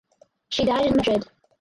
She died in Madrid.